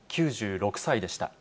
９６歳でした。